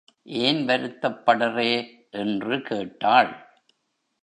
ஏன் வருத்தப்படறே? என்று கேட்டாள்.